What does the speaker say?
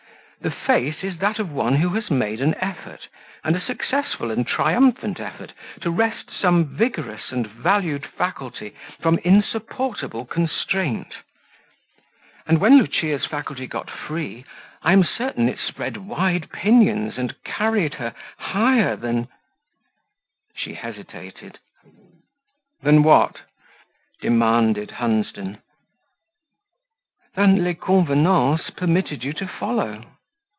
The face is that of one who has made an effort, and a successful and triumphant effort, to wrest some vigorous and valued faculty from insupportable constraint; and when Lucia's faculty got free, I am certain it spread wide pinions and carried her higher than " she hesitated. "Than what?" demanded Hunsden. "Than 'les convenances' permitted you to follow."